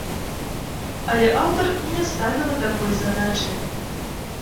Але аўтар і не ставіла такой задачы.